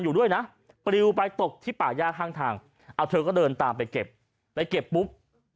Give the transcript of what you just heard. อยู่ด้วยนะปริวไปตกที่ป่าย่าข้างทางเอาเธอก็เดินตามไปเก็บไปเก็บปุ๊บ